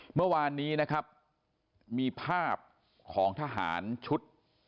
เมื่อวานนี้นะครับมีภาพของทหารชุด